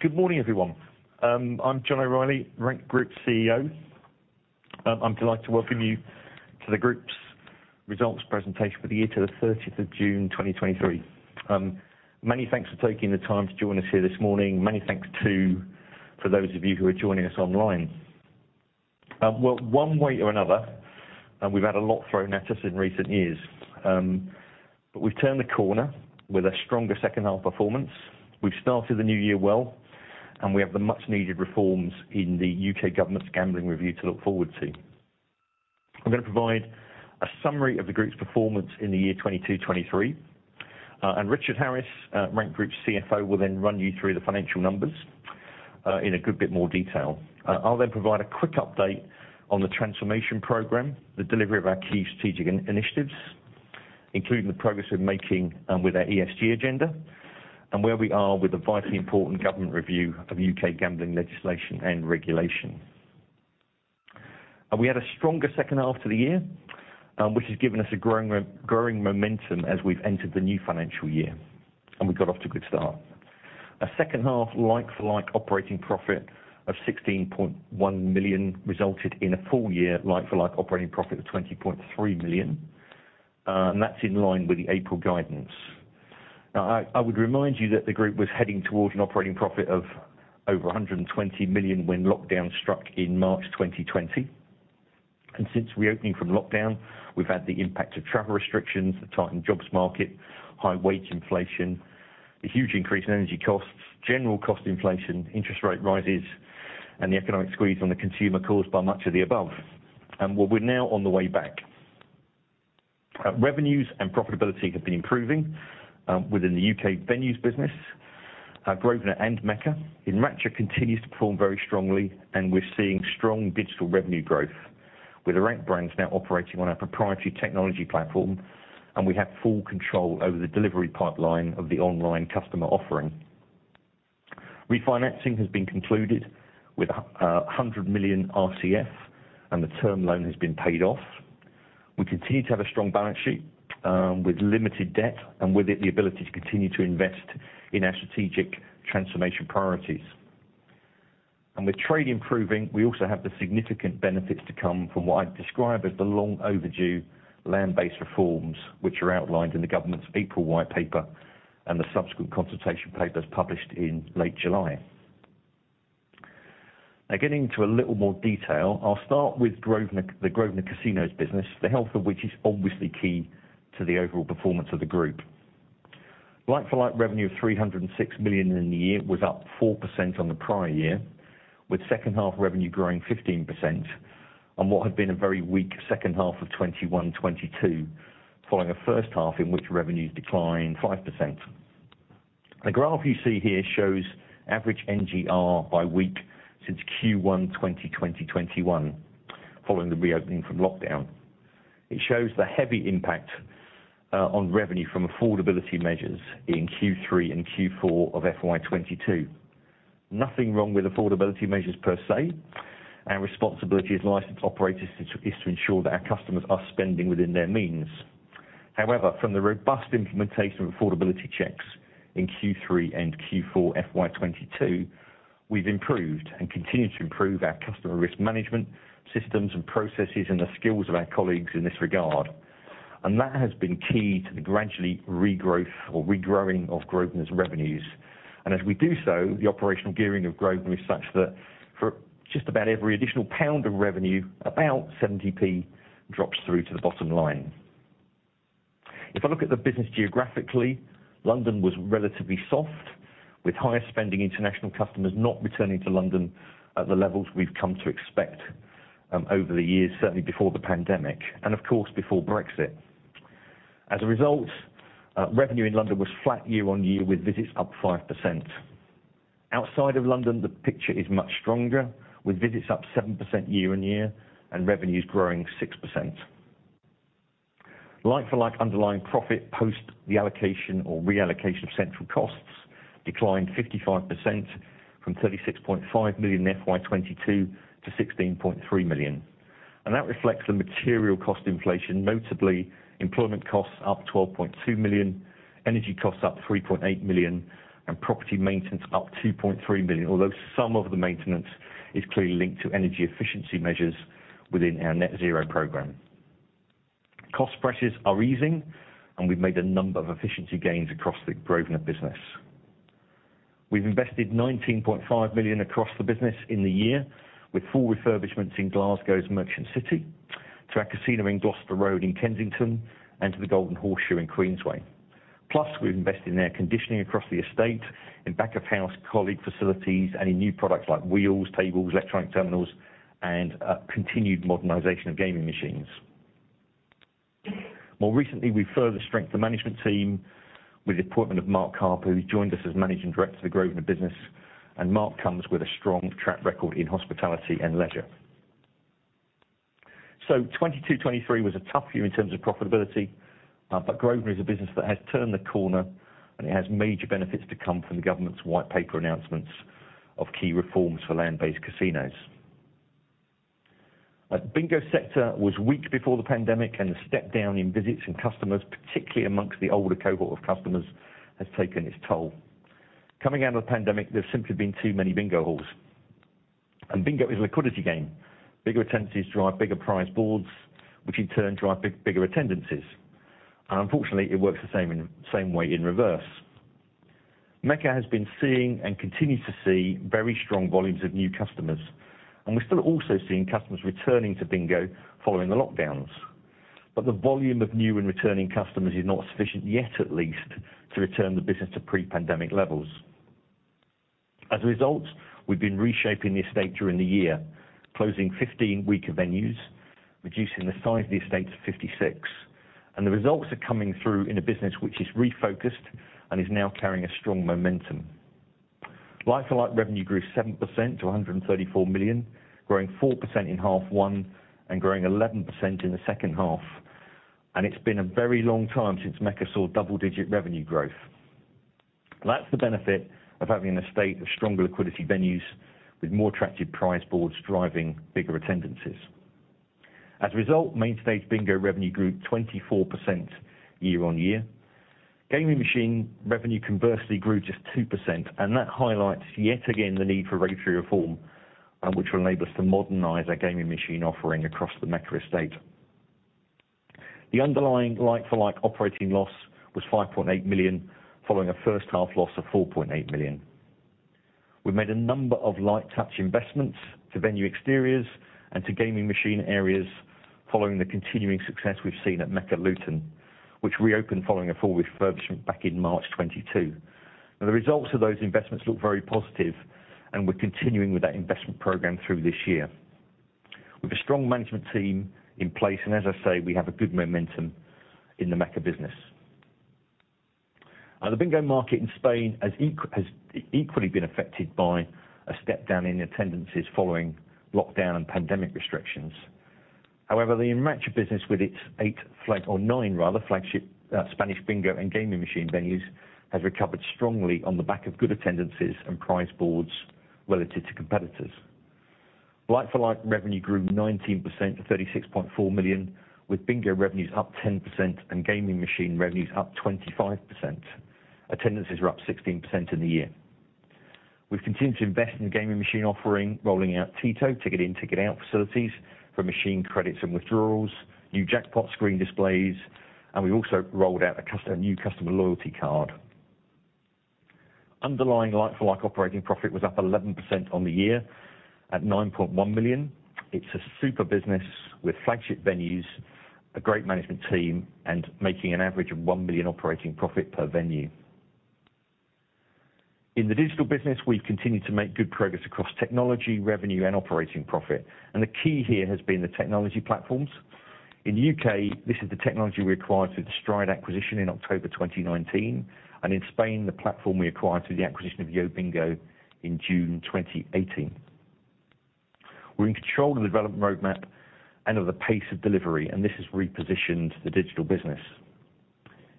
Good morning, everyone. I'm John O'Reilly, Rank Group CEO. I'm delighted to welcome you to the group's results presentation for the year to the 30th of June, 2023. Many thanks for taking the time to join us here this morning. Many thanks, too, for those of you who are joining us online. Well, one way or another, and we've had a lot thrown at us in recent years. We've turned the corner with a stronger second half performance. We've started the new year well, and we have the much-needed reforms in the U.K. government's gambling review to look forward to. I'm gonna provide a summary of the group's performance in the year 2022, 2023. Richard Harris, Rank Group's CFO, will then run you through the financial numbers in a good bit more detail. I'll then provide a quick update on the transformation program, the delivery of our key strategic initiatives, including the progress we're making with our ESG agenda, and where we are with the vitally important government review of UK gambling legislation and regulation. We had a stronger second half to the year, which has given us a growing momentum as we've entered the new financial year, and we got off to a good start. A second half like-for-like operating profit of 16.1 million resulted in a full year like-for-like operating profit of 20.3 million. That's in line with the April guidance. Now, I, I would remind you that the group was heading towards an operating profit of over 120 million when lockdown struck in March 2020. Since reopening from lockdown, we've had the impact of travel restrictions, a tightened jobs market, high wage inflation, a huge increase in energy costs, general cost inflation, interest rate rises, and the economic squeeze on the consumer caused by much of the above. Well, we're now on the way back. Revenues and profitability have been improving within the U.K. venues business, Grosvenor and Mecca. Enracha continues to perform very strongly, and we're seeing strong digital revenue growth, with the Rank brands now operating on our proprietary technology platform, and we have full control over the delivery pipeline of the online customer offering. Refinancing has been concluded with 100 million RCF, and the term loan has been paid off. We continue to have a strong balance sheet, with limited debt, and with it, the ability to continue to invest in our strategic transformation priorities. With trade improving, we also have the significant benefits to come from what I'd describe as the long-overdue land-based reforms, which are outlined in the government's April White Paper and the subsequent consultation papers published in late July. Now, getting into a little more detail, I'll start with Grosvenor, the Grosvenor Casinos business, the health of which is obviously key to the overall performance of the group. Like-for-like revenue of 306 million in the year was up 4% on the prior year, with second half revenue growing 15% on what had been a very weak second half of 2021-2022, following a first half in which revenues declined 5%. The graph you see here shows average NGR by week since Q1 2020, 2021, following the reopening from lockdown. It shows the heavy impact on revenue from affordability measures in Q3 and Q4 of FY 2022. Nothing wrong with affordability measures per se. Our responsibility as licensed operators is to ensure that our customers are spending within their means. From the robust implementation of affordability checks in Q3 and Q4 FY 2022, we've improved, and continue to improve, our customer risk management systems and processes and the skills of our colleagues in this regard. That has been key to the gradually regrowth or regrowing of Grosvenor's revenues. As we do so, the operational gearing of Grosvenor is such that for just about every additional GBP of revenue, about 0.70 drops through to the bottom line. If I look at the business geographically, London was relatively soft, with higher-spending international customers not returning to London at the levels we've come to expect, over the years, certainly before the pandemic and, of course, before Brexit. As a result, revenue in London was flat year-over-year, with visits up 5%. Outside of London, the picture is much stronger, with visits up 7% year-over-year and revenues growing 6%. Like-for-like underlying profit, post the allocation or reallocation of central costs, declined 55% from 36.5 million in FY 2022 to 16.3 million. That reflects the material cost inflation, notably employment costs up 12.2 million, energy costs up 3.8 million, and property maintenance up 2.3 million, although some of the maintenance is clearly linked to energy efficiency measures within our net zero program. Cost pressures are easing, and we've made a number of efficiency gains across the Grosvenor business. We've invested 19.5 million across the business in the year, with full refurbishments in Glasgow's Merchant City, to our casino in Gloucester Road in Kensington, and to the Golden Horseshoe in Queensway. Plus, we've invested in air conditioning across the estate, in back-of-house colleague facilities, and in new products like wheels, tables, electronic terminals, and continued modernization of gaming machines. More recently, we've further strengthened the management team with the appointment of Mark Harper, who joined us as managing director of the Grosvenor business, and Mark comes with a strong track record in hospitality and leisure. 2022, 2023 was a tough year in terms of profitability, but Grosvenor is a business that has turned the corner, and it has major benefits to come from the government's White Paper announcements of key reforms for land-based casinos. The bingo sector was weak before the pandemic, and the step down in visits and customers, particularly amongst the older cohort of customers, has taken its toll. Coming out of the pandemic, there's simply been too many bingo halls. Bingo is a liquidity game. Bigger attendances drive bigger prize boards, which in turn drive bigger attendances. Unfortunately, it works the same way in reverse. Mecca has been seeing and continues to see very strong volumes of new customers, and we're still also seeing customers returning to bingo following the lockdowns. The volume of new and returning customers is not sufficient yet, at least, to return the business to pre-pandemic levels. As a result, we've been reshaping the estate during the year, closing 15 weaker venues, reducing the size of the estate to 56. The results are coming through in a business which is refocused and is now carrying a strong momentum. Like-for-like revenue grew 7% to 134 million, growing 4% in half one and growing 11% in the second half, and it's been a very long time since Mecca saw double-digit revenue growth. That's the benefit of having an estate of stronger liquidity venues with more attractive prize boards driving bigger attendances. As a result, Main Stage bingo revenue grew 24% year-over-year. Gaming machine revenue conversely grew just 2%, that highlights, yet again, the need for regulatory reform, which will enable us to modernize our gaming machine offering across the Mecca estate. The underlying like-for-like operating loss was 5.8 million, following a first half loss of 4.8 million. We've made a number of light touch investments to venue exteriors and to gaming machine areas following the continuing success we've seen at Mecca Luton, which reopened following a full refurbishment back in March 2022. The results of those investments look very positive, we're continuing with that investment program through this year. With a strong management team in place, as I say, we have a good momentum in the Mecca business. The bingo market in Spain has equally been affected by a step down in attendances following lockdown and pandemic restrictions. The Enracha business, with its eight or nine rather, flagship Spanish bingo and gaming machine venues, has recovered strongly on the back of good attendances and prize boards relative to competitors. Like-for-like revenue grew 19% to 36.4 million, with bingo revenues up 10% and gaming machine revenues up 25%. Attendances were up 16% in the year. We've continued to invest in the gaming machine offering, rolling out TITO, ticket in-ticket out facilities for machine credits and withdrawals, new jackpot screen displays, and we've also rolled out a new customer loyalty card. Underlying like-for-like operating profit was up 11% on the year at 9.1 million. It's a super business with flagship venues, a great management team, and making an average of 1 million operating profit per venue. In the digital business, we've continued to make good progress across technology, revenue and operating profit. The key here has been the technology platforms. In the U.K., this is the technology we acquired through the Stride acquisition in October 2019, and in Spain, the platform we acquired through the acquisition of Yo Bingo in June 2018. We're in control of the development roadmap and of the pace of delivery. This has repositioned the digital business.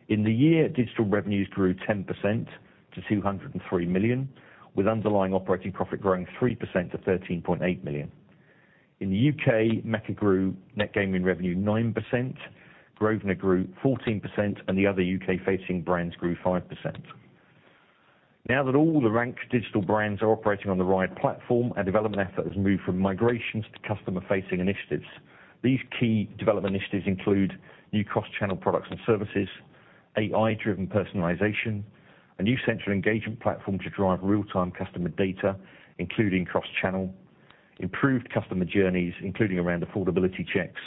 In the year, digital revenues grew 10% to 203 million, with underlying operating profit growing 3% to 13.8 million. In the U.K., Mecca grew net gaming revenue 9%, Grosvenor grew 14%. The other U.K.-facing brands grew 5%. Now that all the Rank digital brands are operating on the right platform, our development effort has moved from migrations to customer-facing initiatives. These key development initiatives include new cross-channel products and services, AI-driven personalization, a new central engagement platform to drive real-time customer data, including cross-channel, improved customer journeys, including around affordability checks,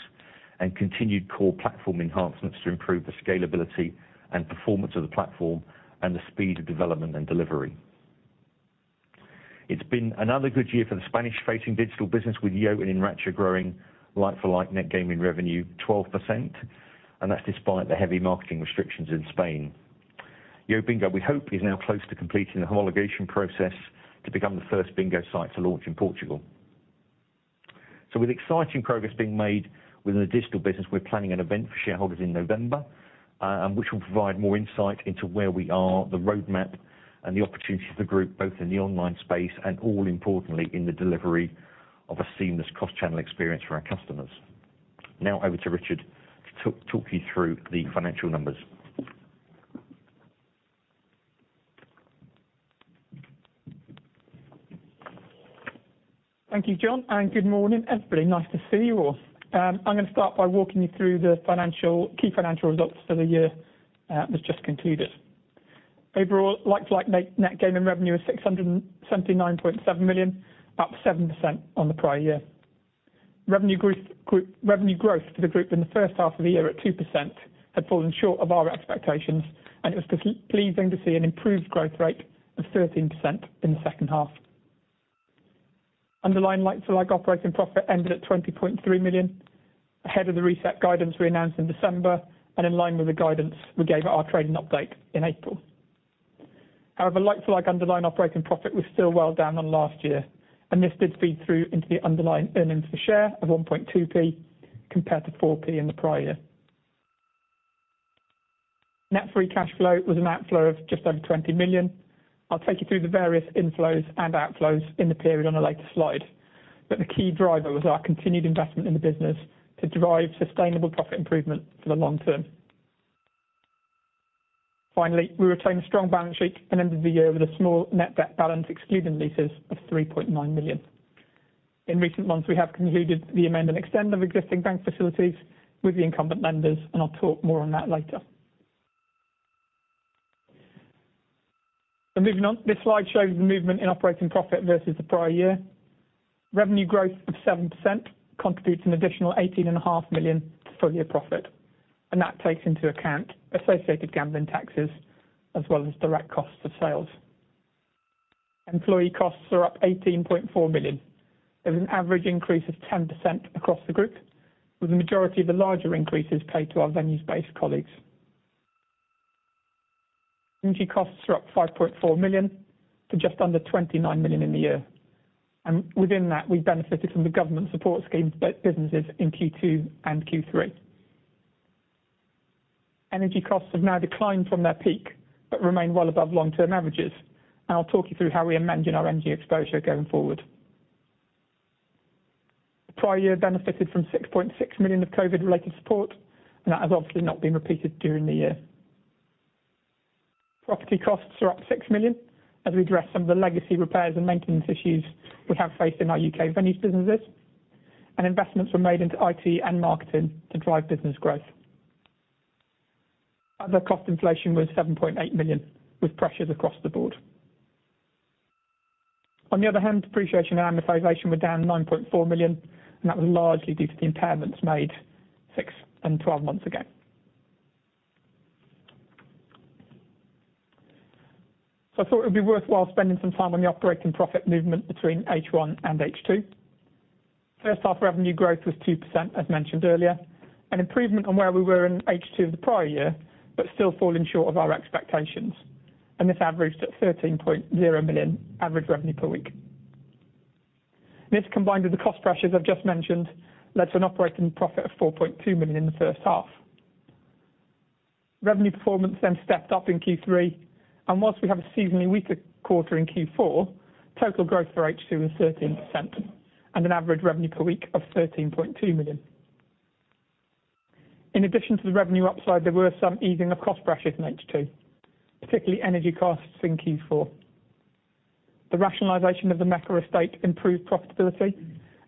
and continued core platform enhancements to improve the scalability and performance of the platform and the speed of development and delivery. It's been another good year for the Spanish-facing digital business, with Yo and Enracha growing like-for-like net gaming revenue 12%, and that's despite the heavy marketing restrictions in Spain. YoBingo, we hope, is now close to completing the homologation process to become the first bingo site to launch in Portugal. With exciting progress being made within the digital business, we're planning an event for shareholders in November, which will provide more insight into where we are, the roadmap, and the opportunities for the Group, both in the online space and all importantly, in the delivery of a seamless cross-channel experience for our customers. Over to Richard to talk you through the financial numbers. Thank you, John. Good morning, everybody. Nice to see you all. I'm going to start by walking you through the key financial results for the year that's just concluded. Overall, like-for-like net gaming revenue is 679.7 million, up 7% on the prior year. Revenue growth for the group in the first half of the year at 2% had fallen short of our expectations, and it was pleasing to see an improved growth rate of 13% in the second half. Underlying like-for-like operating profit ended at 20.3 million, ahead of the reset guidance we announced in December and in line with the guidance we gave at our trading update in April. However, like-for-like underlying operating profit was still well down on last year, this did feed through into the underlying earnings per share of 1.2p, compared to 4p in the prior year. Net free cash flow was an outflow of just over 20 million. I'll take you through the various inflows and outflows in the period on a later slide, the key driver was our continued investment in the business to drive sustainable profit improvement for the long term. Finally, we retained a strong balance sheet and ended the year with a small net debt balance, excluding leases, of 3.9 million. In recent months, we have concluded the amend and extend of existing bank facilities with the incumbent lenders, I'll talk more on that later. Moving on, this slide shows the movement in operating profit versus the prior year. Revenue growth of 7% contributes an additional 18.5 million to full year profit. That takes into account associated gambling taxes as well as direct costs of sales. Employee costs are up 18.4 million. There was an average increase of 10% across the group, with the majority of the larger increases paid to our venues-based colleagues. Energy costs are up 5.4 million to just under 29 million in the year. Within that, we benefited from the government support schemes both businesses in Q2 and Q3. Energy costs have now declined from their peak, but remain well above long-term averages. I'll talk you through how we are managing our energy exposure going forward. The prior year benefited from 6.6 million of COVID-related support. That has obviously not been repeated during the year. Property costs are up 6 million as we address some of the legacy repairs and maintenance issues we have faced in our UK venues businesses. Investments were made into IT and marketing to drive business growth. Other cost inflation was 7.8 million, with pressures across the board. On the other hand, depreciation and amortization were down 9.4 million. That was largely due to the impairments made six and 12 months ago. I thought it would be worthwhile spending some time on the operating profit movement between H1 and H2. First half revenue growth was 2%, as mentioned earlier, an improvement on where we were in H2 of the prior year. Still falling short of our expectations, this averaged at 13.0 million average revenue per week. This, combined with the cost pressures I've just mentioned, led to an operating profit of 4.2 million in the first half. Revenue performance stepped up in Q3, and whilst we have a seasonally weaker quarter in Q4, total growth for H2 was 13% and an average revenue per week of 13.2 million. In addition to the revenue upside, there were some easing of cost pressures in H2, particularly energy costs in Q4. The rationalization of the Mecca estate improved profitability,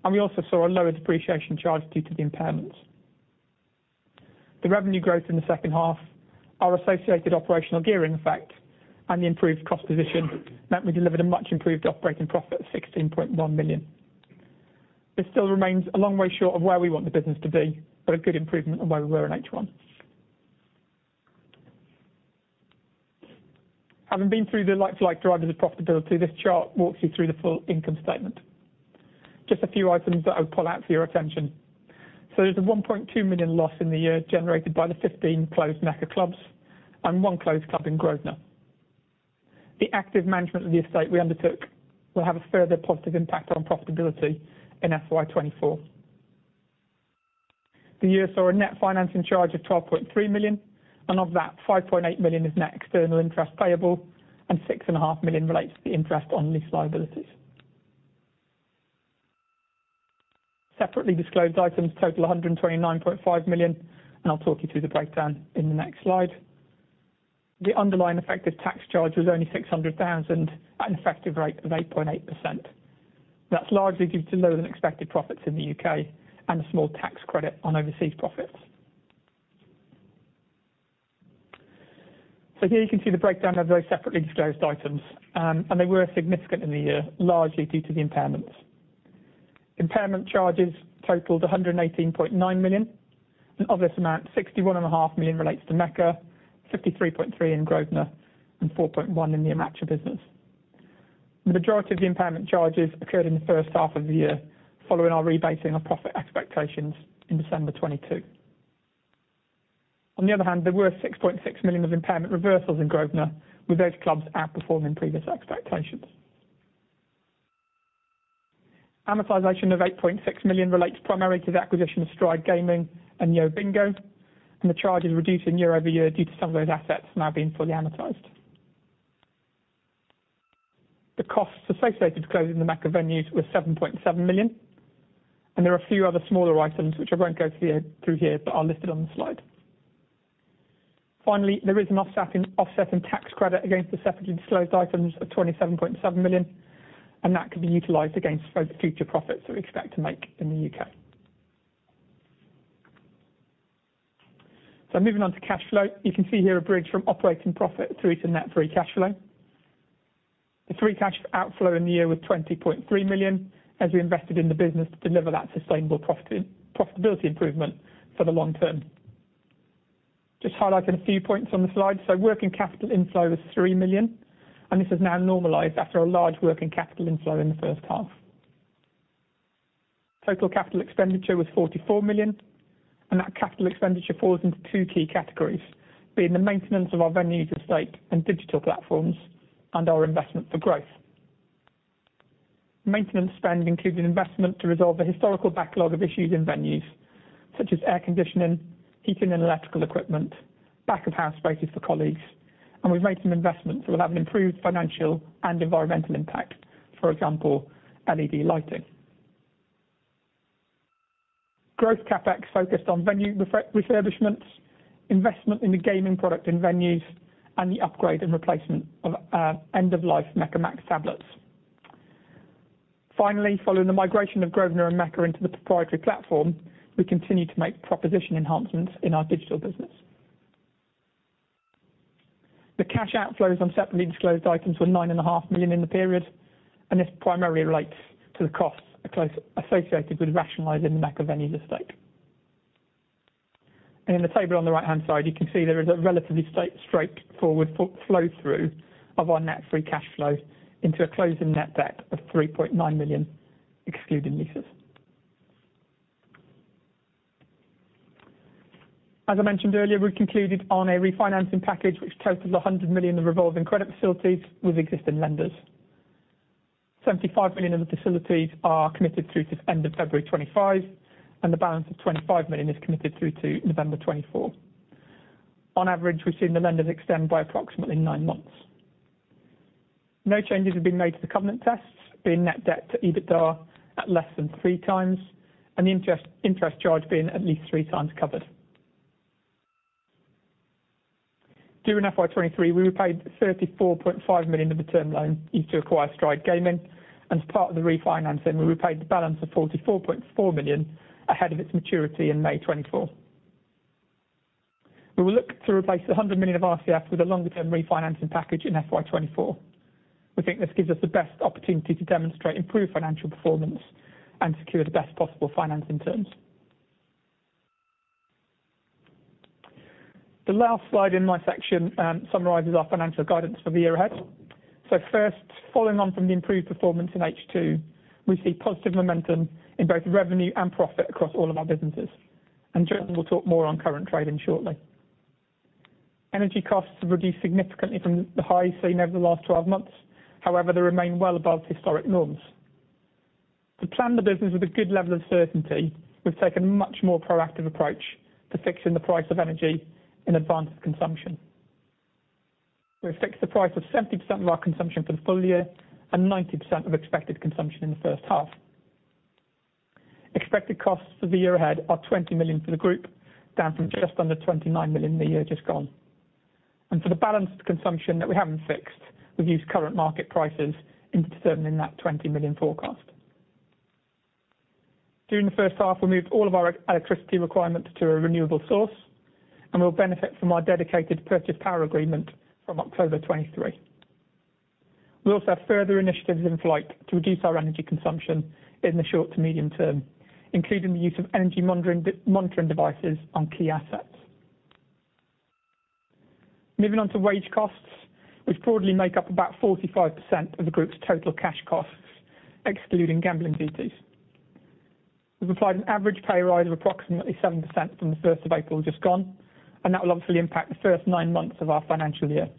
and we also saw a lower depreciation charge due to the impairments. The revenue growth in the second half, our associated operational gearing effect, and the improved cost position meant we delivered a much improved operating profit of 16.1 million. This still remains a long way short of where we want the business to be, but a good improvement on where we were in H1. Having been through the like-to-like drivers of profitability, this chart walks you through the full income statement. Just a few items that I would call out for your attention. There's a 1.2 million loss in the year generated by the 15 closed Mecca clubs and 1 closed club in Grosvenor. The active management of the estate we undertook will have a further positive impact on profitability in FY 2024. The year saw a net financing charge of 12.3 million, and of that, 5.8 million is net external interest payable, and 6.5 million relates to the interest on lease liabilities. Separately disclosed items total 129.5 million. I'll talk you through the breakdown in the next slide. The underlying effective tax charge was only 600,000 at an effective rate of 8.8%. That's largely due to lower-than-expected profits in the UK and a small tax credit on overseas profits. Here you can see the breakdown of those separately disclosed items. They were significant in the year, largely due to the impairments. Impairment charges totaled 118.9 million. Of this amount, 61.5 million relates to Mecca, 53.3 million in Grosvenor, and 4.1 million in the Amatra business. The majority of the impairment charges occurred in the first half of the year, following our rebasing of profit expectations in December 2022. There were 6.6 million of impairment reversals in Grosvenor, with those clubs outperforming previous expectations. Amortization of 8.6 million relates primarily to the acquisition of Stride Gaming and Yo Bingo, the charge is reducing year-over-year due to some of those assets now being fully amortized. The costs associated with closing the Mecca venues were 7.7 million, there are a few other smaller items, which I won't go through here, but are listed on the slide. Finally, there is an offsetting tax credit against the separately disclosed items of 27.7 million, that can be utilized against future profits that we expect to make in the UK. Moving on to cash flow. You can see here a bridge from operating profit through to net free cash flow. The free cash outflow in the year was 20.3 million, as we invested in the business to deliver that sustainable profitability improvement for the long term. Just highlighting a few points on the slide. Working capital inflow was 3 million, and this has now normalized after a large working capital inflow in the first half. Total capital expenditure was 44 million, and that capital expenditure falls into two key categories, being the maintenance of our venues estate and digital platforms, and our investment for growth. Maintenance spend includes an investment to resolve the historical backlog of issues in venues, such as air conditioning, heating, and electrical equipment, back of house spaces for colleagues, and we've made some investments that will have an improved financial and environmental impact, for example, LED lighting. Growth CapEx focused on venue refurbishments, investment in the gaming product in venues, and the upgrade and replacement of end-of-life Mecca Max tablets. Following the migration of Grosvenor and Mecca into the proprietary platform, we continue to make proposition enhancements in our digital business. The cash outflows on separately disclosed items were 9.5 million in the period. This primarily relates to the costs associated with rationalizing the Mecca venues estate. In the table on the right-hand side, you can see there is a relatively straight, straightforward flow through of our net free cash flow into a closing net debt of 3.9 million, excluding leases. As I mentioned earlier, we concluded on a refinancing package, which totaled 100 million in revolving credit facilities with existing lenders. 75 million of the facilities are committed through to the end of February 2025, the balance of 25 million is committed through to November 2024. On average, we've seen the lenders extend by approximately 9 months. No changes have been made to the covenant tests, being net debt to EBITDA at less than 3 times, and the interest, interest charge being at least 3 times covered. During FY 2023, we repaid 34.5 million of the term loan used to acquire Stride Gaming, and as part of the refinancing, we repaid the balance of 44.4 million ahead of its maturity in May 2024. We will look to replace the 100 million of RCF with a longer-term refinancing package in FY 2024. We think this gives us the best opportunity to demonstrate improved financial performance and secure the best possible financing terms. The last slide in my section, summarizes our financial guidance for the year ahead. First, following on from the improved performance in H2, we see positive momentum in both revenue and profit across all of our businesses. John will talk more on current trading shortly. Energy costs have reduced significantly from the highs seen over the last 12 months. However, they remain well above historic norms. To plan the business with a good level of certainty, we've taken a much more proactive approach to fixing the price of energy in advance of consumption. We've fixed the price of 70% of our consumption for the full year and 90% of expected consumption in the first half. Expected costs for the year ahead are 20 million for the group, down from just under 29 million the year just gone. For the balanced consumption that we haven't fixed, we've used current market prices in determining that 20 million forecast. During the 1st half, we moved all of our electricity requirements to a renewable source. We'll benefit from our dedicated purchase power agreement from October 2023. We also have further initiatives in flight to reduce our energy consumption in the short to medium term, including the use of energy monitoring devices on key assets. Moving on to wage costs, which broadly make up about 45% of the group's total cash costs, excluding gambling duties. We've applied an average pay rise of approximately 7% from the 1st of April just gone. That will obviously impact the first 9 months of our financial year.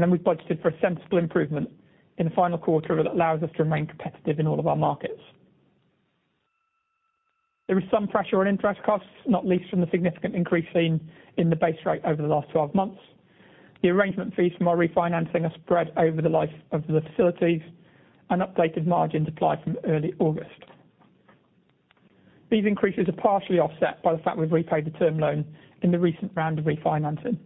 Then we've budgeted for a sensible improvement in the final quarter that allows us to remain competitive in all of our markets. There is some pressure on interest costs, not least from the significant increase seen in the base rate over the last 12 months. The arrangement fees from our refinancing are spread over the life of the facilities, and updated margins apply from early August. These increases are partially offset by the fact we've repaid the term loan in the recent round of refinancing.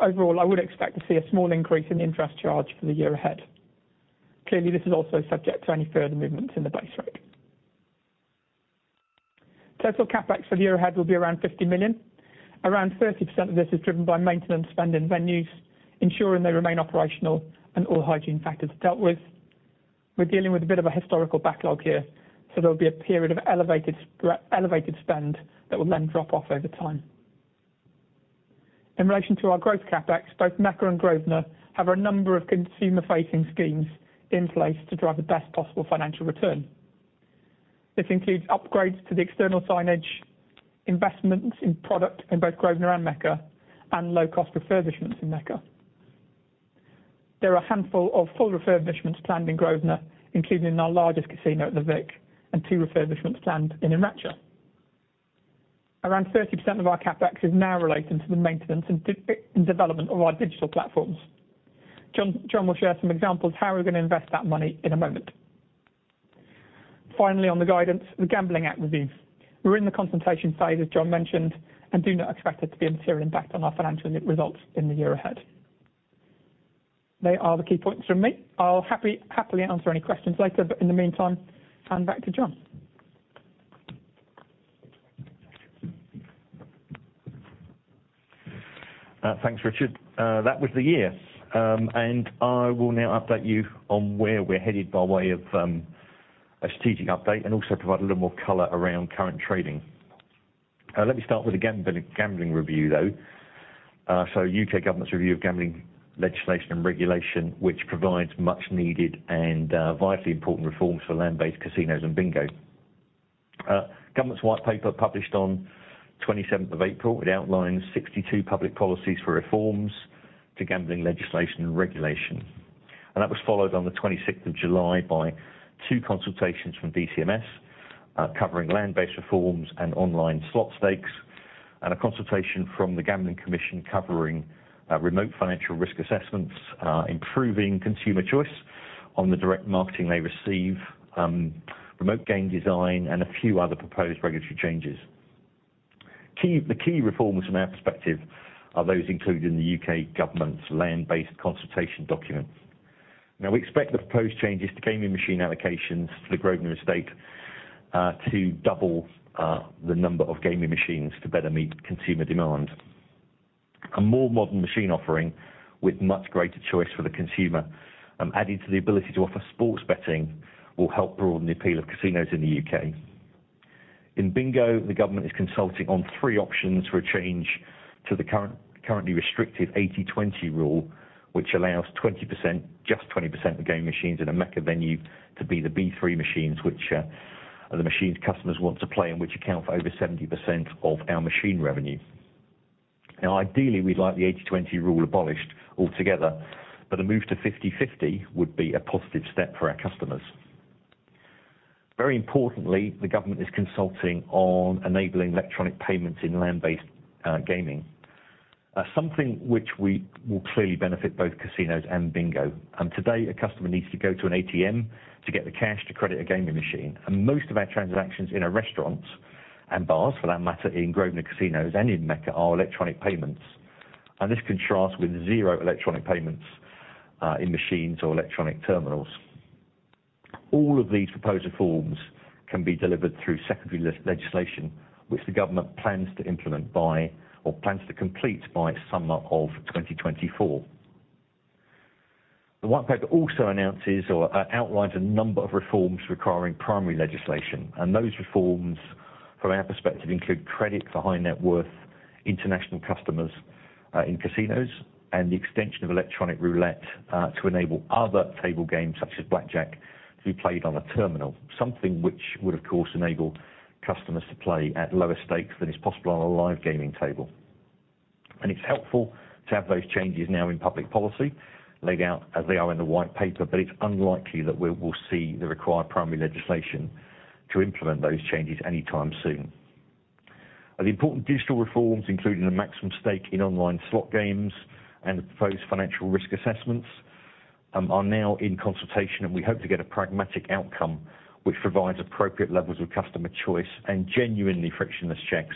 Overall, I would expect to see a small increase in the interest charge for the year ahead. Clearly, this is also subject to any further movements in the base rate. Total CapEx for the year ahead will be around 50 million. Around 30% of this is driven by maintenance spend in venues, ensuring they remain operational and all hygiene factors are dealt with. We're dealing with a bit of a historical backlog here, so there will be a period of elevated spend that will then drop off over time. In relation to our growth CapEx, both Mecca and Grosvenor have a number of consumer-facing schemes in place to drive the best possible financial return. This includes upgrades to the external signage, investments in product in both Grosvenor and Mecca, and low-cost refurbishments in Mecca. There are a handful of full refurbishments planned in Grosvenor, including in our largest casino at The Vic, and two refurbishments planned in Mecca. Around 30% of our CapEx is now related to the maintenance and development of our digital platforms. John, John will share some examples of how we're going to invest that money in a moment. Finally, on the guidance, the Gambling Act review. We're in the consultation phase, as John mentioned, and do not expect there to be a material impact on our financial results in the year ahead. They are the key points from me. I'll happily answer any questions later, but in the meantime, hand back to John. Thanks, Richard. That was the year, and I will now update you on where we're headed by way of a strategic update and also provide a little more color around current trading. Let me start with the Gambling Review, though. U.K. government's review of gambling legislation and regulation, which provides much needed and vitally important reforms for land-based casinos and bingo. Government's White Paper published on 27th of April. It outlines 62 public policies for reforms to gambling legislation and regulation. That was followed on the 26th of July by two consultations from DCMS, covering land-based reforms and online slot stakes, and a consultation from the Gambling Commission covering remote financial risk assessments, improving consumer choice on the direct marketing they receive, remote game design, and a few other proposed regulatory changes. The key reforms from our perspective are those included in the U.K. government's land-based consultation documents. We expect the proposed changes to gaming machine allocations to the Grosvenor estate, to double the number of gaming machines to better meet consumer demand. A more modern machine offering, with much greater choice for the consumer, added to the ability to offer sports betting, will help broaden the appeal of casinos in the U.K. In bingo, the government is consulting on three options for a change to the current, currently restricted 80/20 rule, which allows 20%, just 20% of the gaming machines in a Mecca venue, to be the B3 machines, which are the machines customers want to play, and which account for over 70% of our machine revenue. Now, ideally, we'd like the 80/20 rule abolished altogether, but a move to 50/50 would be a positive step for our customers. Very importantly, the government is consulting on enabling electronic payments in land-based gaming. Something which will clearly benefit both casinos and bingo. Today, a customer needs to go to an ATM to get the cash to credit a gaming machine. Most of our transactions in our restaurants, and bars for that matter, in Grosvenor Casinos and in Mecca, are electronic payments. This contrasts with zero electronic payments in machines or electronic terminals. All of these proposed reforms can be delivered through secondary legislation, which the government plans to implement by, or plans to complete by summer of 2024. The White Paper also announces or outlines a number of reforms requiring primary legislation. Those reforms, from our perspective, include credit for high-net-worth international customers in casinos, and the extension of electronic roulette to enable other table games, such as blackjack, to be played on a terminal. Something which would, of course, enable customers to play at lower stakes than is possible on a live gaming table. It's helpful to have those changes now in public policy, laid out as they are in the White Paper, but it's unlikely that we will see the required primary legislation to implement those changes anytime soon. Now, the important digital reforms, including the maximum stake in online slot games and the proposed financial risk assessments are now in consultation. We hope to get a pragmatic outcome, which provides appropriate levels of customer choice and genuinely frictionless checks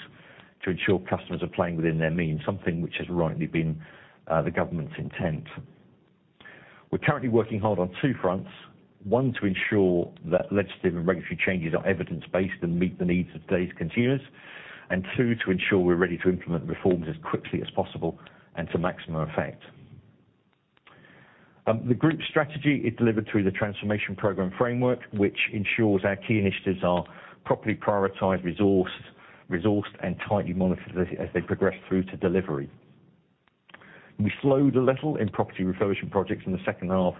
to ensure customers are playing within their means, something which has rightly been the government's intent. We're currently working hard on two fronts, one, to ensure that legislative and regulatory changes are evidence-based and meet the needs of today's consumers. Two, to ensure we're ready to implement reforms as quickly as possible and to maximum effect. The group's strategy is delivered through the transformation program framework, which ensures our key initiatives are properly prioritized, resourced, and tightly monitored as they progress through to delivery. We slowed a little in property refurbishment projects in the second half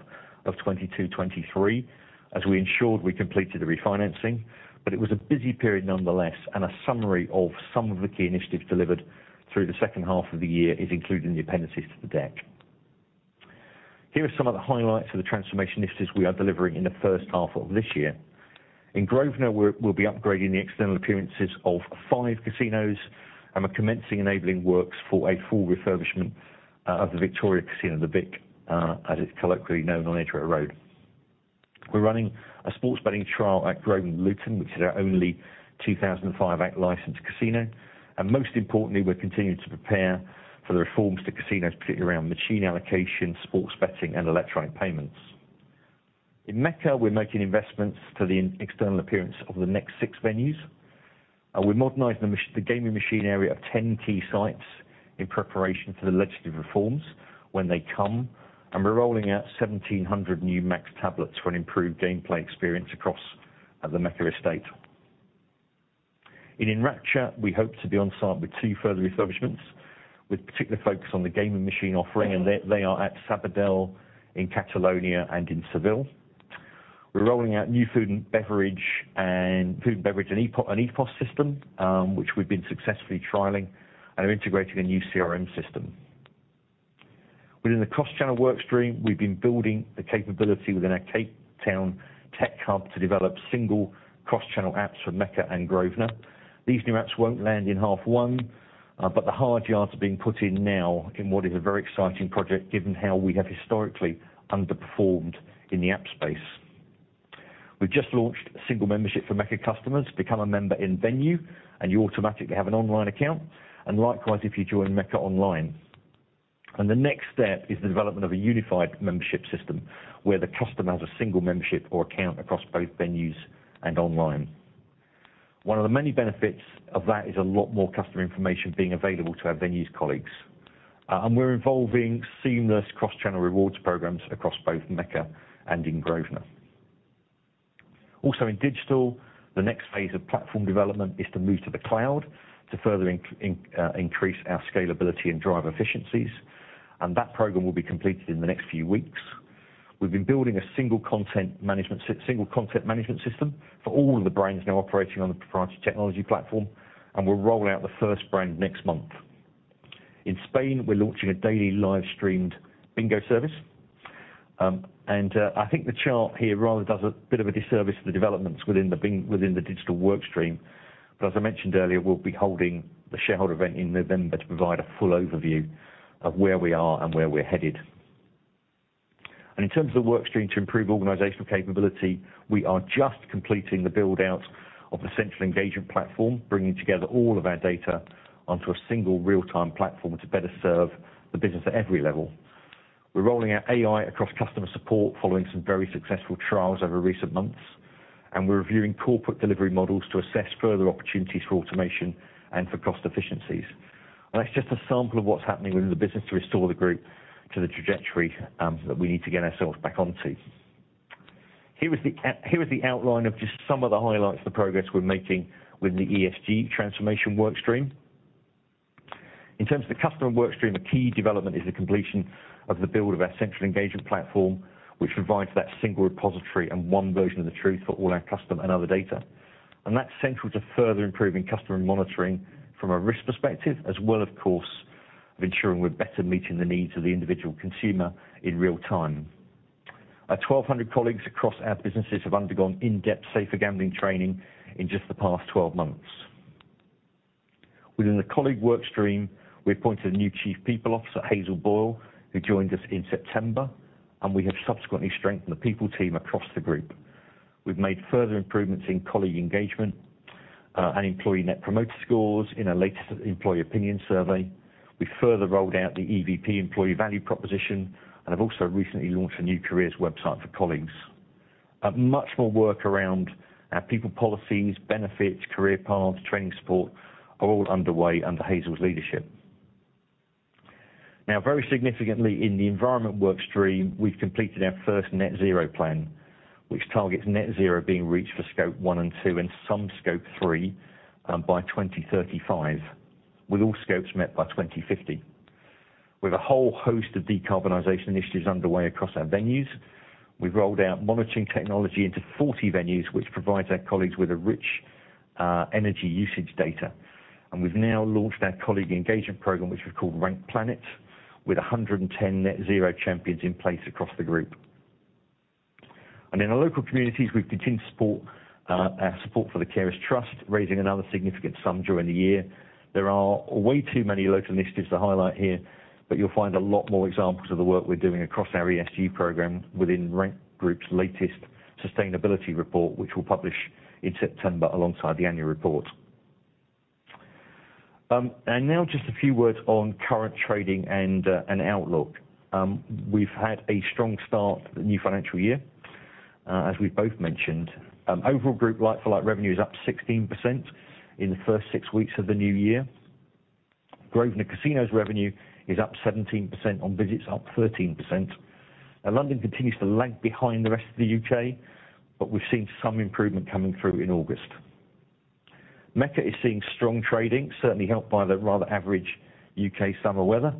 of 2022, 2023, as we ensured we completed the refinancing. It was a busy period nonetheless. A summary of some of the key initiatives delivered through the second half of the year is included in the appendices to the deck. Here are some of the highlights of the transformation initiatives we are delivering in the first half of this year. In Grosvenor, we'll be upgrading the external appearances of five casinos and are commencing enabling works for a full refurbishment of the Victoria Casino, the Vic, as it's colloquially known on Edgware Road. We're running a sports betting trial at Grosvenor Luton, which is our only 2005 Act licensed casino. Most importantly, we're continuing to prepare for the reforms to casinos, particularly around machine allocation, sports betting, and electronic payments. In Mecca, we're making investments to the external appearance of the next 6 venues, and we're modernizing the gaming machine area of 10 key sites in preparation for the legislative reforms when they come, and we're rolling out 1,700 new Max tablets for an improved gameplay experience across the Mecca estate. In Enracha, we hope to be on site with 2 further refurbishments, with particular focus on the gaming machine offering, and they are at Sabadell, in Catalonia, and in Seville. We're rolling out new food and beverage and EPOS, and EPOS system, which we've been successfully trialing, and are integrating a new CRM system. Within the cross-channel work stream, we've been building the capability within our Cape Town tech hub to develop single cross-channel apps for Mecca and Grosvenor. These new apps won't land in half one, but the hard yards are being put in now, in what is a very exciting project, given how we have historically underperformed in the app space. We've just launched single membership for Mecca customers. Become a member in venue, and you automatically have an online account, and likewise, if you join Mecca online. The next step is the development of a unified membership system, where the customer has a single membership or account across both venues and online. One of the many benefits of that is a lot more customer information being available to our venues colleagues. We're involving seamless cross-channel rewards programs across both Mecca and in Grosvenor. In digital, the next phase of platform development is to move to the cloud, to further increase our scalability and drive efficiencies, and that program will be completed in the next few weeks. We've been building a single content management system for all of the brands now operating on the proprietary technology platform, and we'll roll out the first brand next month. In Spain, we're launching a daily live-streamed bingo service. I think the chart here rather does a bit of a disservice to the developments within the digital work stream. As I mentioned earlier, we'll be holding the shareholder event in November to provide a full overview of where we are and where we're headed. In terms of the work stream to improve organizational capability, we are just completing the build-out of the central engagement platform, bringing together all of our data onto a single real-time platform to better serve the business at every level. We're rolling out AI across customer support, following some very successful trials over recent months, and we're reviewing corporate delivery models to assess further opportunities for automation and for cost efficiencies. That's just a sample of what's happening within the business to restore the group to the trajectory that we need to get ourselves back onto. Here is the outline of just some of the highlights of the progress we're making with the ESG transformation work stream. In terms of the customer work stream, a key development is the completion of the build of our central engagement platform, which provides that single repository and 1 version of the truth for all our customer and other data. That's central to further improving customer monitoring from a risk perspective as well, of course, of ensuring we're better meeting the needs of the individual consumer in real time. Our 1,200 colleagues across our businesses have undergone in-depth safer gambling training in just the past 12 months. Within the colleague work stream, we appointed a new Chief People Officer, Hazel Boyle, who joined us in September, and we have subsequently strengthened the people team across the group. We've made further improvements in colleague engagement and employee net promoter scores in our latest employee opinion survey. We've further rolled out the EVP, employee value proposition, and have also recently launched a new careers website for colleagues. Much more work around our people policies, benefits, career paths, training, support, are all underway under Hazel's leadership. Now, very significantly, in the environment work stream, we've completed our first net zero plan, which targets net zero being reached for Scope 1 and 2 and some Scope 3 by 2035, with all scopes met by 2050. We have a whole host of decarbonization initiatives underway across our venues. We've rolled out monitoring technology into 40 venues, which provides our colleagues with a rich energy usage data. We've now launched our colleague engagement program, which we've called Rank Planet, with 110 net zero champions in place across the group. In our local communities, we've continued to support our support for the Carers Trust, raising another significant sum during the year. There are way too many local initiatives to highlight here, you'll find a lot more examples of the work we're doing across our ESG program within Rank Group's latest sustainability report, which we'll publish in September alongside the annual report. Now just a few words on current trading and outlook. We've had a strong start to the new financial year. As we've both mentioned, overall group like-for-like revenue is up 16% in the first six weeks of the new year. Grosvenor Casino's revenue is up 17% on visits, up 13%, and London continues to lag behind the rest of the U.K., but we've seen some improvement coming through in August. Mecca is seeing strong trading, certainly helped by the rather average U.K. summer weather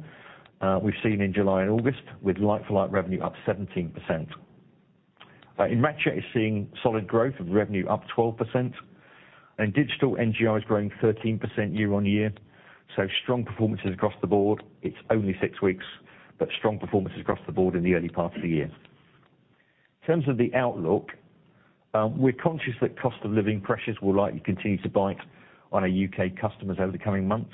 we've seen in July and August, with like-for-like revenue up 17%. Match is seeing solid growth, with revenue up 12%, and digital NGI is growing 13% year-on-year. Strong performances across the board. It's only six weeks, but strong performances across the board in the early part of the year. In terms of the outlook, we're conscious that cost of living pressures will likely continue to bite on our U.K. customers over the coming months.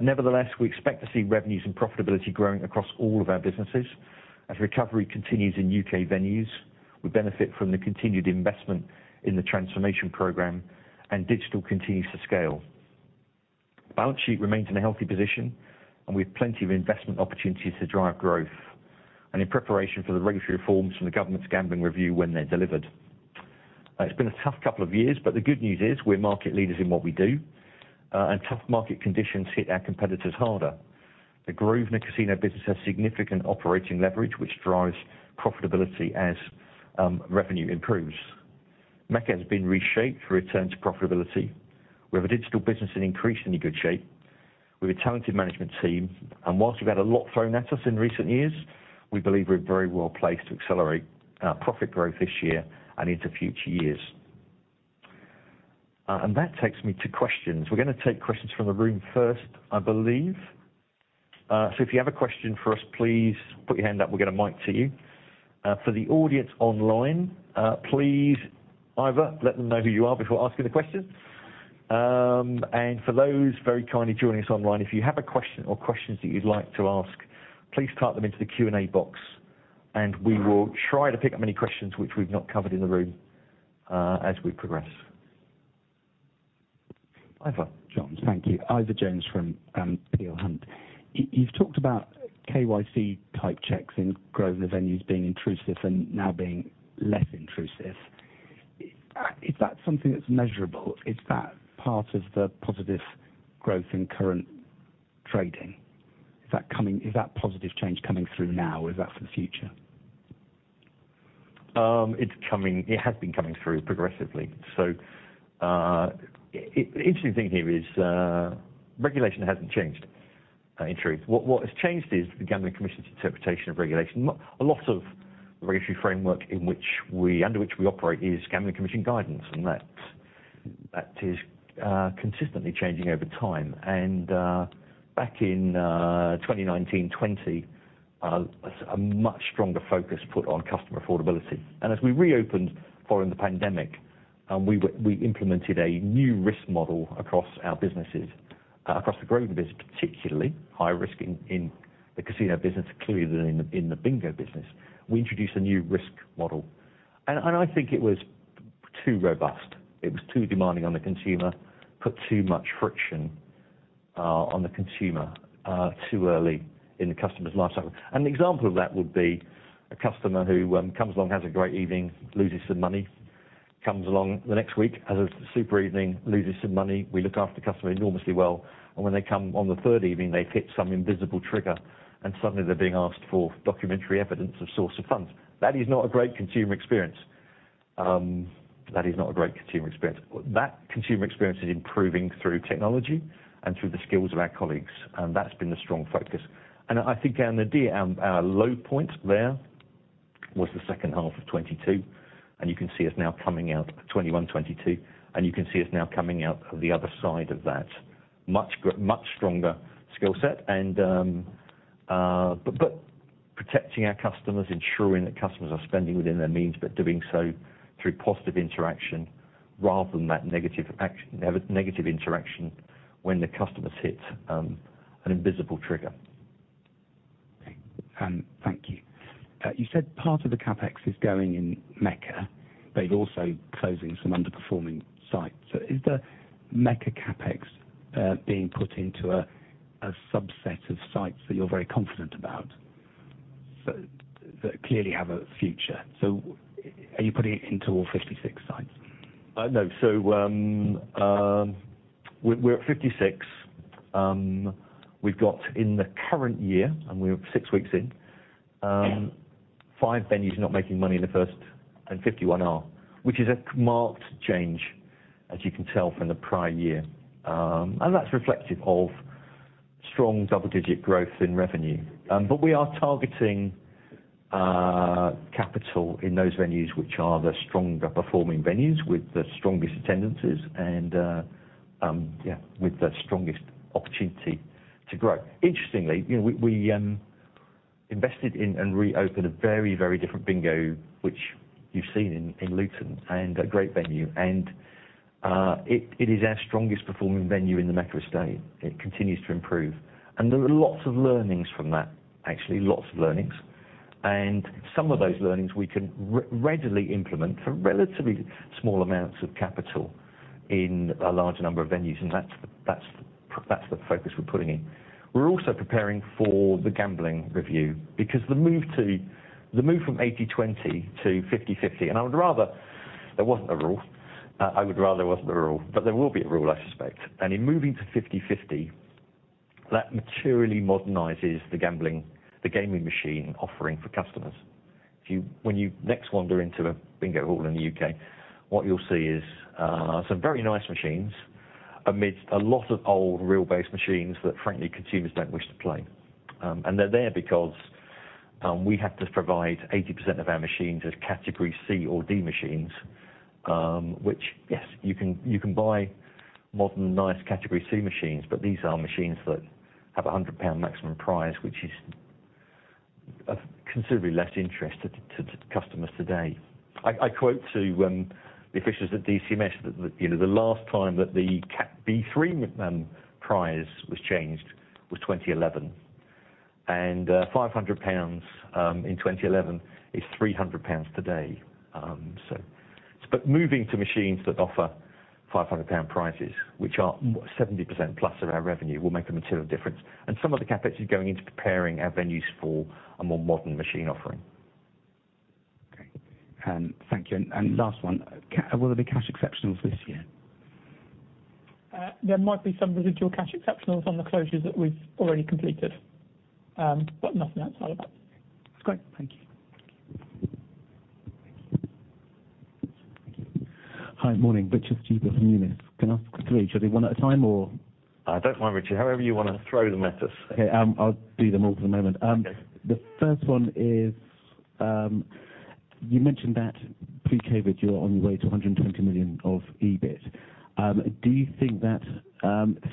Nevertheless, we expect to see revenues and profitability growing across all of our businesses. As recovery continues in U.K. venues, we benefit from the continued investment in the transformation program, and digital continues to scale. Balance sheet remains in a healthy position. We have plenty of investment opportunities to drive growth, and in preparation for the regulatory reforms from the government's Gambling Review when they're delivered. It's been a tough couple of years, but the good news is we're market leaders in what we do, and tough market conditions hit our competitors harder. The Grosvenor Casino business has significant operating leverage, which drives profitability as revenue improves. Mecca has been reshaped for return to profitability. We have a digital business in increasingly good shape. We have a talented management team. Whilst we've had a lot thrown at us in recent years, we believe we're very well placed to accelerate profit growth this year and into future years. That takes me to questions. We're gonna take questions from the room first, I believe. If you have a question for us, please put your hand up, we'll get a mic to you. For the audience online, please either let them know who you are before asking the question. For those very kindly joining us online, if you have a question or questions that you'd like to ask, please type them into the Q&A box, and we will try to pick up any questions which we've not covered in the room, as we progress. Ivor Jones. Thank you. Ivor Jones from Peel Hunt. You've talked about KYC-type checks in growing the venues being intrusive and now being less intrusive. Is that something that's measurable? Is that part of the positive growth in current trading? Is that coming, is that positive change coming through now, or is that for the future? t has been coming through progressively. The interesting thing here is regulation hasn't changed, in truth. What has changed is the Gambling Commission's interpretation of regulation. A lot of regulatory framework under which we operate is Gambling Commission guidance, and that is consistently changing over time. Back in 2019, 2020, a much stronger focus put on customer affordability. As we reopened following the pandemic, we implemented a new risk model across our businesses, across the growing business, particularly, high risk in the casino business, clearly than in the bingo business. We introduced a new risk model, and I think it was too robust. It was too demanding on the consumer, put too much friction on the consumer, too early in the customer's life cycle. An example of that would be a customer who comes along, has a great evening, loses some money, comes along the next week, has a super evening, loses some money. We look after the customer enormously well, and when they come on the third evening, they hit some invisible trigger, and suddenly they're being asked for documentary evidence of source of funds. That is not a great consumer experience. That is not a great consumer experience. That consumer experience is improving through technology and through the skills of our colleagues, and that's been the strong focus. I think on the day, our low point there was the second half of 2022, and you can see us now coming out of 2021, 2022, and you can see us now coming out of the other side of that. Much stronger skill set. Protecting our customers, ensuring that customers are spending within their means, but doing so through positive interaction, rather than that negative negative interaction when the customers hit an invisible trigger. Okay, thank you. You said part of the CapEx is going in Mecca, but also closing some underperforming sites. Is the Mecca CapEx being put into a, a subset of sites that you're very confident about, that clearly have a future? Are you putting it into all 56 sites? No. We're at 56. We've got in the current year, we're 6 weeks in, 5 venues not making money in the first... 51 are, which is a marked change, as you can tell, from the prior year. That's reflective of strong double-digit growth in revenue. We are targeting capital in those venues, which are the stronger performing venues with the strongest attendances, and, yeah, with the strongest opportunity to grow. Interestingly, you know, we, we invested in and reopened a very, very different bingo, which you've seen in Luton, and a great venue, and it is our strongest performing venue in the Mecca estate. It continues to improve. There are lots of learnings from that, actually, lots of learnings. Some of those learnings we can readily implement for relatively small amounts of capital in a larger number of venues, and that's, that's, that's the focus we're putting in. We're also preparing for the gambling review, because the move from 80/20 to 50/50, and I would rather there wasn't a rule. I would rather there wasn't a rule, but there will be a rule, I suspect. In moving to 50/50, that materially modernizes the gambling, the gaming machine offering for customers. When you next wander into a bingo hall in the UK, what you'll see is some very nice machines amidst a lot of old wheel-based machines that, frankly, consumers don't wish to play. They're there because we have to provide 80% of our machines as Category C or D machines, which, yes, you can, you can buy modern, nice Category C machines, but these are machines that have a 100 pound maximum prize, which is of considerably less interest to customers today. I quote to the officials at DCMS that, you know, the last time that the Category B3 prize was changed, was 2011. 500 pounds in 2011 is 300 pounds today. Moving to machines that offer 500 pound prizes, which are 70%+ of our revenue, will make a material difference. Some of the CapEx is going into preparing our venues for a more modern machine offering. Okay, thank you. Last one, will there be cash exceptionals this year? There might be some residual cash exceptionals on the closures that we've already completed, but nothing outside of that. Great. Thank you. Hi, morning. Richard Gibson, Numis. Can I ask quickly, should I do one at a time or? Don't worry, Richard, however you wanna throw them at us. Okay, I'll do them all for the moment. Okay. The first one is, you mentioned that pre-COVID, you were on your way to 120 million of EBIT. Do you think that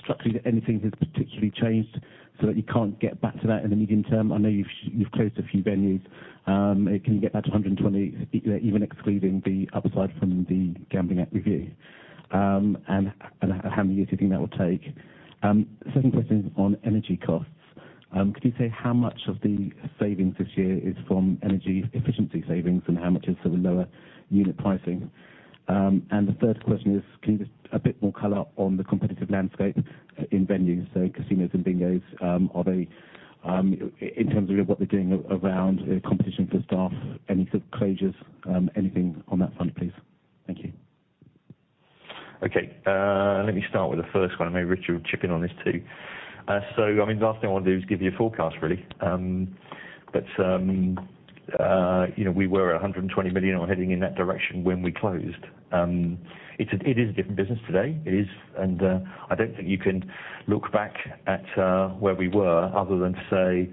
structurally anything has particularly changed so that you can't get back to that in the medium term? I know you've, you've closed a few venues. Can you get back to 120, even excluding the upside from the Gambling Act review? How many years do you think that will take? Second question is on energy costs. Could you say how much of the savings this year is from energy efficiency savings, and how much is from the lower unit pricing? The third question is, can you give a bit more color on the competitive landscape in venues, so casinos and bingos, are they in terms of what they're doing around competition for staff, any sort of closures, anything on that front, please? Thank you. Okay, let me start with the first one, and maybe Richard Harris will chip in on this, too. I mean, the last thing I want to do is give you a forecast, really. You know, we were at 120 million and we're heading in that direction when we closed. It's a, it is a different business today. It is, I don't think you can look back at where we were other than say,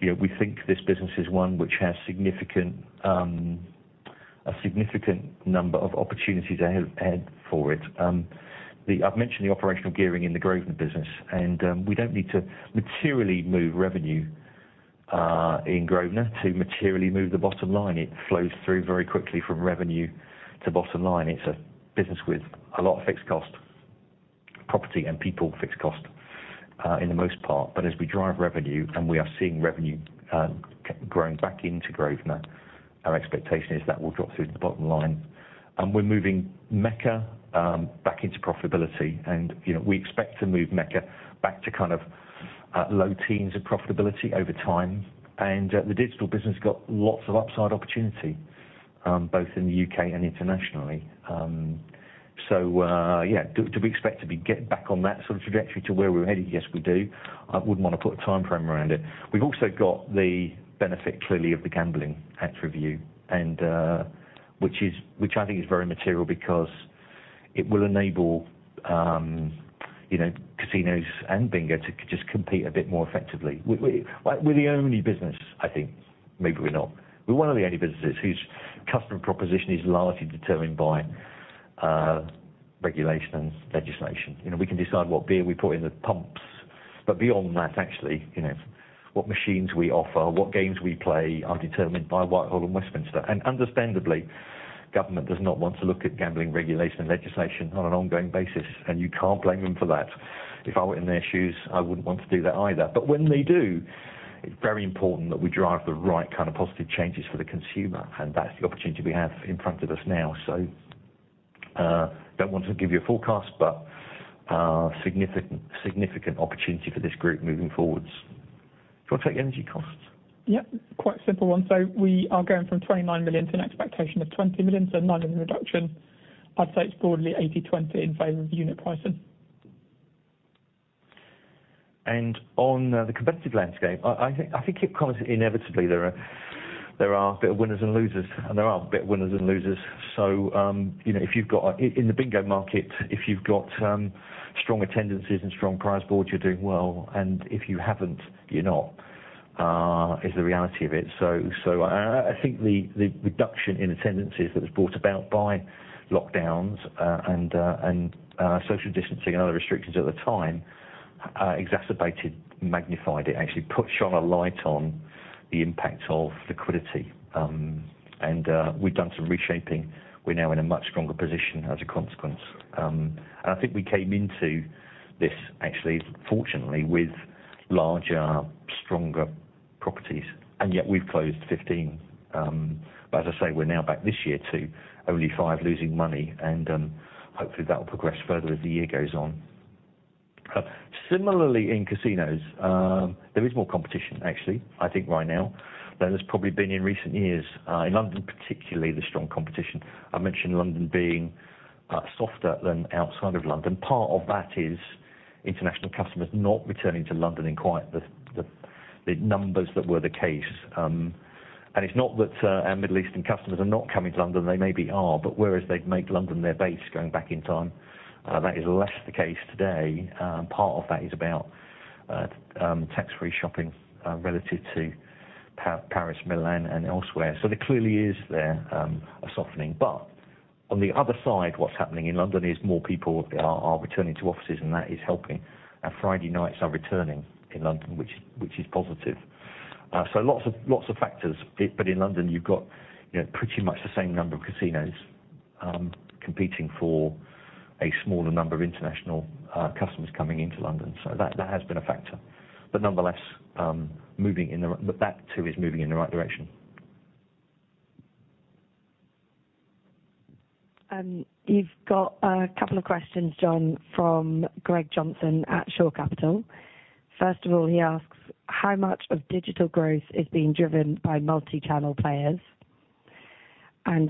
you know, we think this business is one which has significant, a significant number of opportunities ahead, ahead for it. I've mentioned the operational gearing in the Grosvenor business, we don't need to materially move revenue in Grosvenor to materially move the bottom line. It flows through very quickly from revenue to bottom line. It's a business with a lot of fixed cost, property and people fixed cost, in the most part. As we drive revenue, and we are seeing revenue, growing back into Grosvenor, our expectation is that will drop through to the bottom line. We're moving Mecca, back into profitability. You know, we expect to move Mecca back to kind of, low teens of profitability over time. The digital business has got lots of upside opportunity, both in the UK and internationally. Yeah, do, do we expect to be getting back on that sort of trajectory to where we're headed? Yes, we do. I wouldn't want to put a timeframe around it. We've also got the benefit, clearly, of the Gambling Act review, and which I think is very material because it will enable, you know, casinos and bingo to just compete a bit more effectively. We, like, we're the only business, I think, maybe we're not, we're one of the only businesses whose customer proposition is largely determined by regulation and legislation. You know, we can decide what beer we put in the pumps, but beyond that, actually, you know, what machines we offer, what games we play, are determined by Whitehall and Westminster. Understandably, government does not want to look at gambling regulation and legislation on an ongoing basis, and you can't blame them for that. If I were in their shoes, I wouldn't want to do that either. When they do, it's very important that we drive the right kind of positive changes for the consumer, and that's the opportunity we have in front of us now. Don't want to give you a forecast, but significant, significant opportunity for this group moving forwards. Do you want to take the energy costs? Yeah, quite a simple one. We are going from 29 million to an expectation of 20 million, so 9 million reduction. I'd say it's broadly 80/20 in favor of unit pricing. On the competitive landscape, I, I think, I think it comes inevitably, there are, there are a bit of winners and losers, and there are a bit of winners and losers. You know, if you've got In, in the bingo market, if you've got strong attendances and strong prize boards, you're doing well, and if you haven't, you're not, is the reality of it. I, I think the, the reduction in attendances that was brought about by lockdowns, and, and social distancing and other restrictions at the time, exacerbated, magnified it. Actually, shone a light on the impact of liquidity. We've done some reshaping. We're now in a much stronger position as a consequence. I think we came into this, actually, fortunately, with larger, stronger properties, and yet we've closed 15. As I say, we're now back this year to only five losing money, and hopefully, that will progress further as the year goes on. Similarly in casinos, there is more competition, actually, I think right now, than there's probably been in recent years. In London, particularly, there's strong competition. I mentioned London being softer than outside of London. Part of that is international customers not returning to London in quite the, the, the numbers that were the case. And it's not that our Middle Eastern customers are not coming to London, they maybe are, but whereas they'd make London their base going back in time, that is less the case today. Part of that is about tax-free shopping, relative to Par- Paris, Milan, and elsewhere. There clearly is there a softening. On the other side, what's happening in London is more people are, are returning to offices, and that is helping. Friday nights are returning in London, which is positive. Lots of, lots of factors. But in London, you've got, you know, pretty much the same number of casinos, competing for a smaller number of international customers coming into London. That, that has been a factor, but nonetheless, moving in the- that too, is moving in the right direction. You've got 2 questions, John, from Greg Johnson at Shore Capital. First of all, he asks, "How much of digital growth is being driven by multi-channel players?"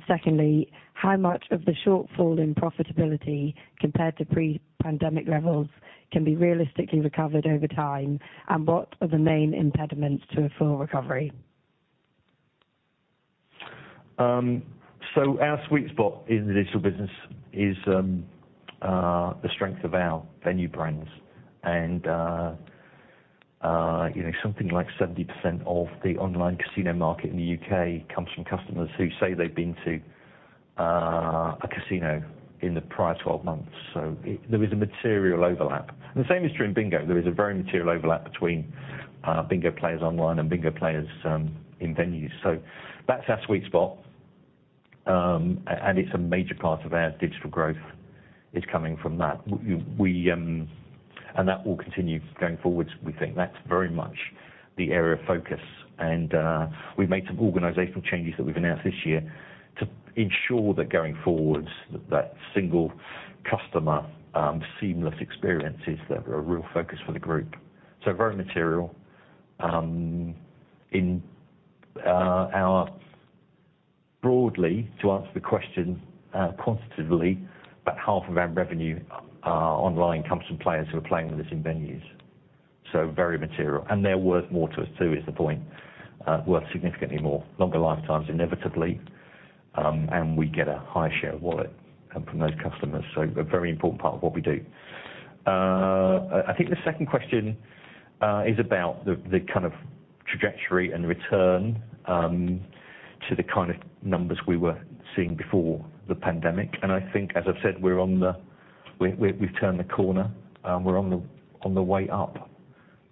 Secondly, "How much of the shortfall in profitability compared to pre-pandemic levels can be realistically recovered over time, and what are the main impediments to a full recovery? Our sweet spot in the digital business is the strength of our venue brands. You know, something like 70% of the online casino market in the U.K. comes from customers who say they've been to a casino in the prior 12 months, so there is a material overlap. The same is true in bingo. There is a very material overlap between bingo players online and bingo players in venues. That's our sweet spot, and it's a major part of our digital growth is coming from that. We. That will continue going forward. We think that's very much the area of focus, and we've made some organizational changes that we've announced this year to ensure that going forward, that single customer seamless experience is a real focus for the group. Very material. In broadly, to answer the question quantitatively, about half of our revenue online comes from players who are playing with us in venues, very material. They're worth more to us, too, is the point. Worth significantly more. Longer lifetimes, inevitably, and we get a higher share of wallet from those customers, a very important part of what we do. I, I think the second question is about the, the kind of trajectory and return to the kind of numbers we were seeing before the pandemic. I think, as I've said, we're on the, we've turned the corner. We're on the, on the way up.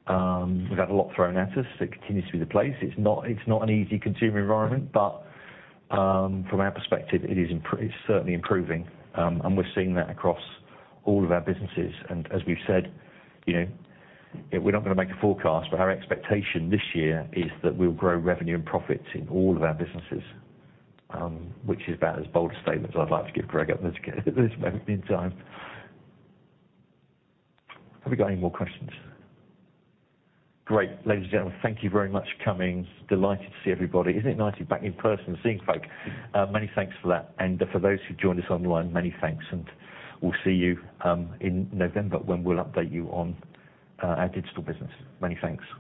We've had a lot thrown at us. It continues to be the place. It's not, it's not an easy consumer environment, but, from our perspective, it's certainly improving. And we're seeing that across all of our businesses. As we've said, you know, we're not going to make a forecast, but our expectation this year is that we'll grow revenue and profits in all of our businesses, which is about as bold a statement as I'd like to give Greg at this point in time. Have we got any more questions? Great. Ladies and gentlemen, thank you very much for coming. Delighted to see everybody. Isn't it nice to be back in person and seeing folk? Many thanks for that, and for those who joined us online, many thanks, and we'll see you in November, when we'll update you on our digital business. Many thanks.